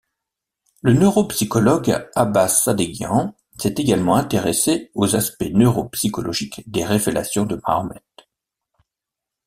Le neuropsychologue Abbas Sadeghian s'est également intéressé aux aspects neuropsychologiques des révélations de Mahomet.